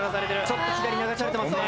ちょっと左に流されてますね。